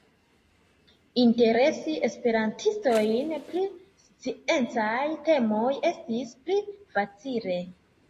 Interesi esperantistojn pri sciencaj temoj estis pli facile.